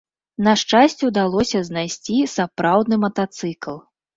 На шчасце, удалося знайсці сапраўдны матацыкл.